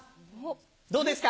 どうですか？